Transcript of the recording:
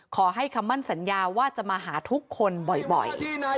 ขอให้คำมั่นสัญญาว่าจะมาหาทุกคนบ่อย